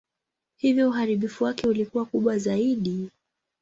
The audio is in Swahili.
Hivyo uharibifu wake ulikuwa kubwa zaidi.